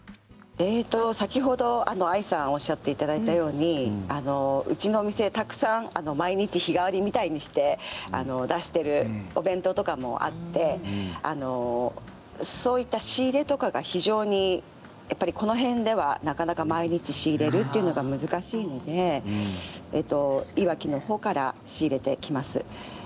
先ほど、愛さんおっしゃっていただいたようにうちの店、たくさん毎日日替わりみたいにして出しているお弁当とかもあってそういった仕入れとかが非常にやっぱりこの辺では毎日、仕入れというのが難しくていわきのほうから仕入れてきます。